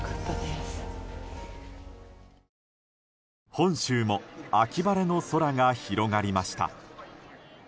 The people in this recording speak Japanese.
本州も秋晴れの空が広がりました。